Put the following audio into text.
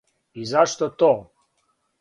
И зашто то?